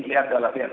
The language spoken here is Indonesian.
sehat doa sehat